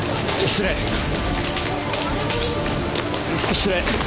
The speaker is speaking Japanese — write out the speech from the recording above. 失礼。